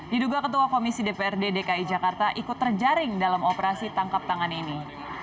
diduga ketua komisi dprd dki jakarta ikut terjaring dalam operasi tangkap tangan ini